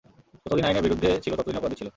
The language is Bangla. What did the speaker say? যতদিন আইনের বিরুদ্ধে ছিলো ততদিন অপরাধী ছিলো।